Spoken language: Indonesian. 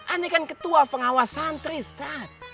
ini kan ketua pengawasan tristat